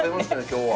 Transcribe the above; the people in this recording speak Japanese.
今日は。